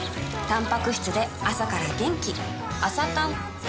たんぱく質で朝から元気